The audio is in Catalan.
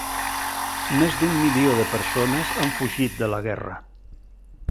Més d'un milió de persones han fugit de la guerra.